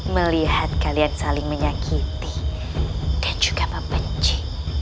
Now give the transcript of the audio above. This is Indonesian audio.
melihat kalian saling menyakiti dan juga membenci